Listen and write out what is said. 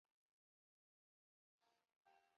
是松花江下游沿岸重要的内河港口和农垦基地。